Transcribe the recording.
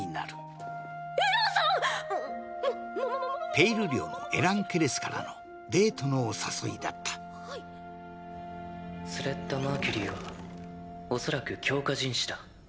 ペイル寮のエラン・ケレスからのデートのお誘いだったスレッタ・マーキュリーはおそらく強化人士だ。